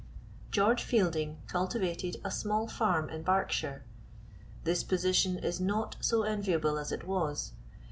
George Fielding cultivated a small farm in Berkshire. This position is not so enviable as it was.